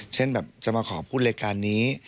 เช่นแบบจะมาขอพูดรายการนี้